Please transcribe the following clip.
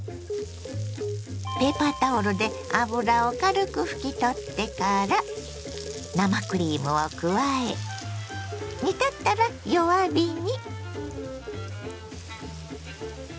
ペーパータオルで脂を軽く拭き取ってから生クリームを加え煮立ったら弱火に。